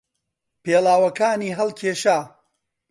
پێڵاوەکانی هەڵکێشا.